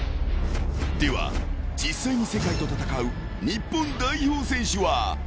［では実際に世界と戦う日本代表選手は！？］